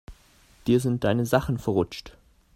Dir sind deine Sachen verrutscht.